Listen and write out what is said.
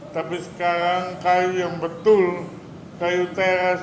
tapi sekarang kayu yang betul kayu teras sudah sulit